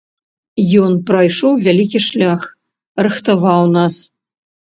Ён прайшоў вялікі шлях, рыхтаваў нас.